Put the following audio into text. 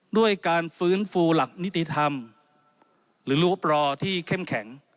ด้วยการฟื้นฟูหลักนิติธรรมหรือรูปรอที่เข้มแข็ง